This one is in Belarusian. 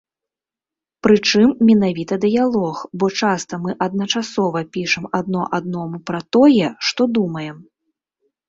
Прычым, менавіта дыялог, бо часта мы адначасова пішам адно аднаму пра тое, што думаем.